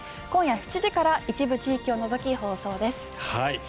今夜７時から一部地域を除き放送です。